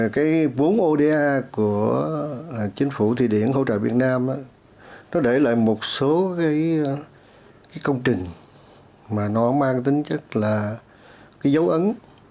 cái vốn oda của chính phủ thụy điển hỗ trợ việt nam nó để lại một số cái công trình mà nó mang tính chất là cái dấu ấn